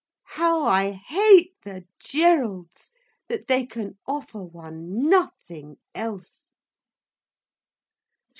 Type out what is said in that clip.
How I hate the Geralds, that they can offer one nothing else.